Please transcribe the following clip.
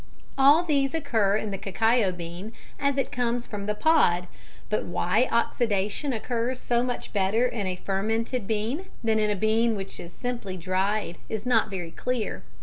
All these occur in the cacao bean as it comes from the pod, but why oxidation occurs so much better in a fermented bean than in a bean which is simply dried is not very clear.